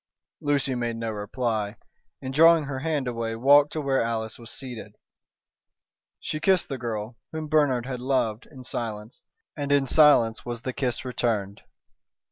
Lucy made no reply, and, drawing her hand away, walked to where Alice was seated. She kissed the girl, whom Bernard had loved, in silence; and in silence was the kiss returned.